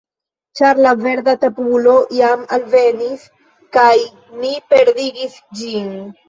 Ĉar la verda tabulo jam alvenis kaj mi pendigis ĝin.